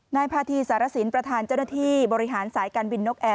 นายพาธีสารสินประธานเจ้าหน้าที่บริหารสายการบินนกแอร์